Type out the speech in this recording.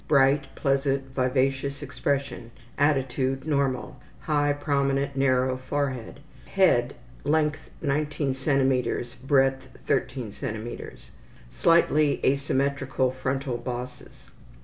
Bright, pleasant, vivacious expression. Attitude normal. High, prominent, narrow forehead. Head: length 19 cm., breadth 13 cm. Slightly asymmetrical frontal bosses.